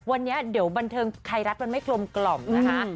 วันนี้เดี๋ยวบันเทิงไทยรัฐมันไม่กลมกล่อมนะคะ